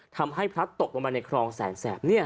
ทำให้พลัดตกลงมาในคลองแสนแสบ